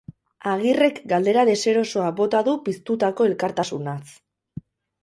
Agirrek galdera deserosoa bota du piztutako elkartasunaz.